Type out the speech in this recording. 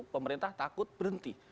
pemerintah takut berhenti